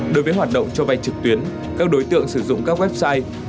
đối với hoạt động cho vay trực tuyến các đối tượng sử dụng các website